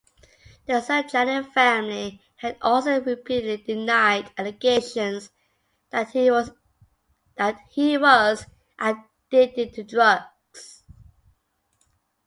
The Sirjani family had also repeatedly denied allegations that he was addicted to drugs.